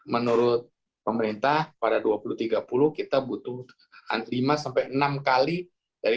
menurut pemerintah pada dua ribu tiga puluh kita butuh lima sampai enam kali